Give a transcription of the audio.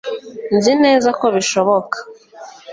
nzi neza ko bishoboka